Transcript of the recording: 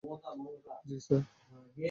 জি, sir?